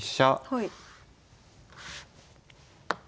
はい。